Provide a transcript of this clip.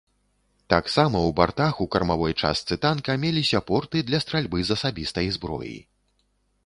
Таксама ў бартах у кармавой частцы танка меліся порты для стральбы з асабістай зброі.